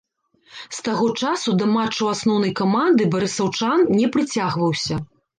З таго часу да матчаў асноўнай каманды барысаўчан не прыцягваўся.